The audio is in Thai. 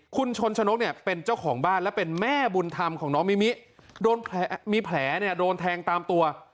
คุณชนชนกเนี่ยเป็นเจ้าของบ้านและเป็นแม่บุญธรรมของน้องมิมิโดนมีแผลเนี่ยโดนแทงตามตัว